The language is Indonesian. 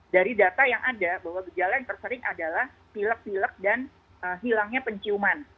dari data yang ada bahwa gejala yang tersering adalah pilek pilek dan hilangnya penciuman